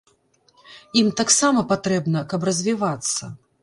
Ім таксама патрэбна, каб развівацца.